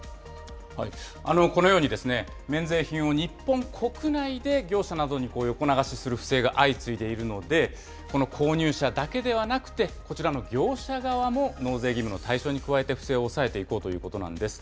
このように、免税品を日本国内で業者などに横流しする不正が相次いでいるので、この購入者だけではなくて、こちらの業者側も、納税義務の対象に加えて、不正を抑えていこうということなんです。